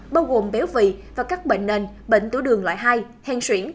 bao gồm béo vị và các bệnh nền bệnh tiểu đường loại hai hèn xuyển